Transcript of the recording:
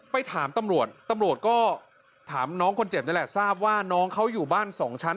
ไปถามตำรวจตำรวจก็ถามน้องคนเจ็บนี่แหละทราบว่าน้องเขาอยู่บ้านสองชั้น